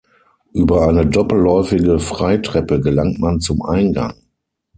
Über eine doppelläufige Freitreppe gelangt man zum Eingang.